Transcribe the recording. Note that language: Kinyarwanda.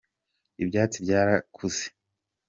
ibyatsi byarakuze